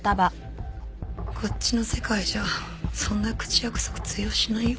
こっちの世界じゃそんな口約束通用しないよ？